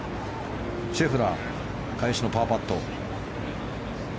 シェフラー返しのパーパット。